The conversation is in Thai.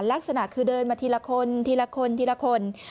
ลักษณะคือเดินมาทีละคนทีละคนทีละคน